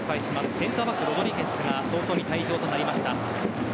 センターバック・ロドリゲス早々に退場になりました。